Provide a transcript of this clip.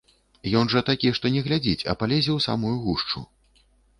Ён жа такі, што не глядзіць, а палезе ў самую гушчу.